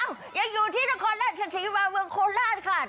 อ้าวอย่าอยู่ที่นครราชศรีวาค์เมืองโครนราชค่ะ